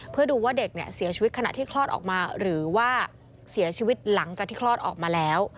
เพื่อดูว่าเด็กเนี่ยเสียชีวิตขณะที่คลอดออกมาหรือว่าเสียชีวิตหลังจากที่คลอดออกมาแล้ว